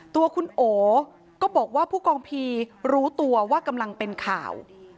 ตัวคุณโอก็บอกว่าผู้กองพีรู้ตัวว่ากำลังเป็นข่าว